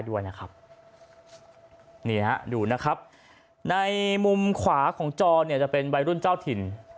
ด้วยนะครับนี่ฮะดูนะครับในมุมขวาของจอเนี่ยจะเป็นวัยรุ่นเจ้าถิ่น